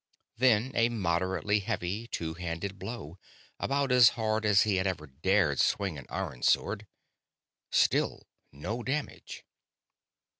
Then a moderately heavy two handed blow, about as hard as he had ever dared swing an iron sword. Still no damage.